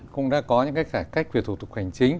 cũng đã có những cái cải cách về thủ tục hành chính